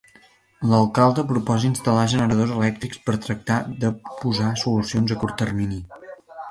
L'alcalde proposa instal·lar generadors elèctrics per a tractar de posar solucions a curt termini.